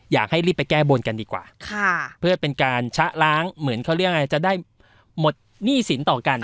อยากให้รีบไปแก้บนกันดีกว่าเพื่อเป็นการชะล้างเหมือนเขาเรียกอะไรจะได้หมดหนี้สินต่อกัน